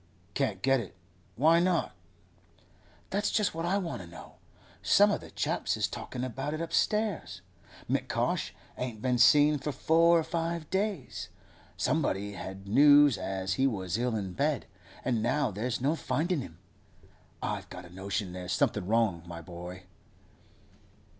'Can't get it? Why not?' 'That's just what I want to know. Some o' the chaps is talkin' about it upstairs. M'Cosh ain't been seen for four or five days. Somebody had news as he was ill in bed, and now there's no findin' him. I've got a notion there's something wrong, my boy.